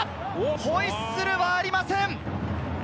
ホイッスルはありません。